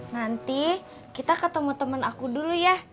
nanti kita ketemu teman aku dulu ya